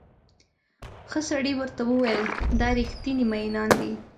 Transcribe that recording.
ښه سړي ورته وویل دا ریښتیني مئینان دي.